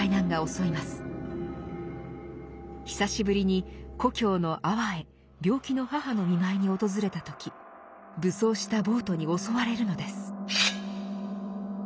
久しぶりに故郷の安房へ病気の母の見舞いに訪れた時武装した暴徒に襲われるのです。